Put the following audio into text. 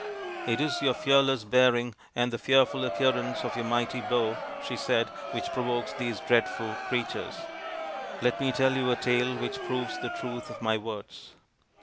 " It is your fearless bearing and the fearful appearance of your mighty bow/' she said, " which provokes these dreadful creatures. Let me tell you a tale which proves the truth of my words.